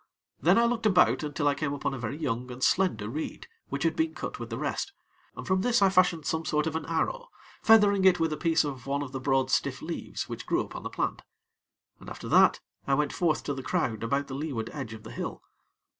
Then I looked about until I came upon a very young and slender reed which had been cut with the rest, and from this I fashioned some sort of an arrow, feathering it with a piece of one of the broad, stiff leaves, which grew upon the plant, and after that I went forth to the crowd about the leeward edge of the hill.